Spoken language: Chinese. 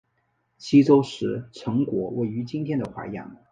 西周时陈国位于今天的淮阳。